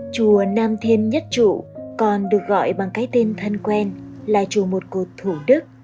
chùa nam thiên nhất trụ còn được gọi bằng cái tên thân quen là chùa một cột thủ đức